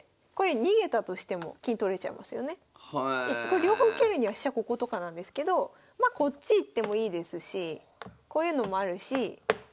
両方受けるには飛車こことかなんですけどまこっち行ってもいいですしこういうのもあるしま